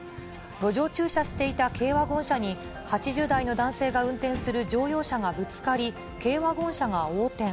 路上駐車していた軽ワゴン車に、８０代の男性が運転する乗用車がぶつかり、軽ワゴン車が横転。